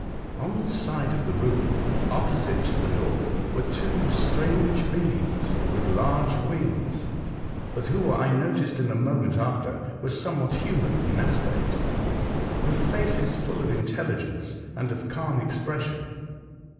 On the side of the room opposite to the door were two strange beings with large wings, but who, I noticed in a moment after, were somewhat human in aspect, with faces full of intelligence and of calm ex pression.